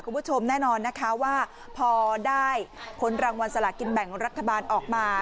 คุณผู้ชมแน่นอนนะคะว่าพอได้ค้นรางวัลสลากินแบ่งรัฐบาลออกมา